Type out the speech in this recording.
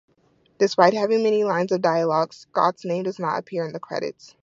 Despite having many lines of dialogue, Scott's name does not appear in the credits.